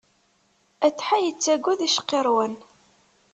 Atḥa yettaggad icqirrwen.